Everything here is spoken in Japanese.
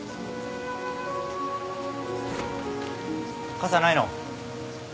傘ないの？